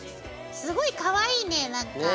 すごいかわいいねなんか。